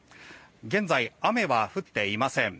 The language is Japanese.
現在、雨は降っていません。